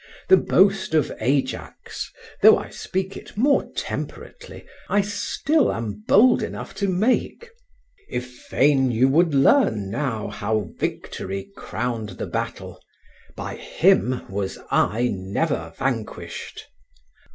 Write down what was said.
The boast of Ajax, though I speak it more temperately, I still am bold enough to make: "... if fain you would learn now How victory crowned the battle, by him was I never vanquished."